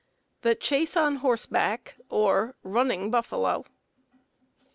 2. _The chase on horseback or "running buffalo."